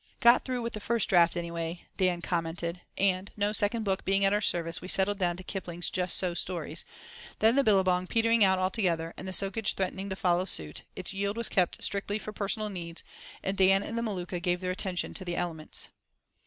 "Got through with the first draught, anyway," Dan commented, and, no Second Book being at our service we settled down to Kipling's "Just So Stories." Then the billabong "petering out" altogether, and the soakage threatening to follow suit, its yield was kept strictly for personal needs, and Dan and the Maluka gave their attention to the elements.